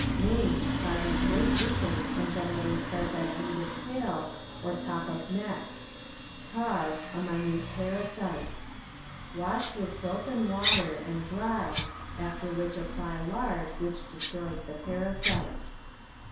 Mange causes great itching and gen erally starts at root of tail or top of neck; cause, a minute parasite. Wash with soap and water and dry, after which apply lard which destroys the parasite.